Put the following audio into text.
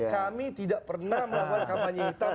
kami tidak pernah melakukan kampanye hitam